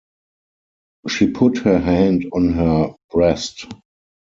She put her hand on her breast.